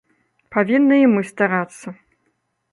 Павінны і мы старацца.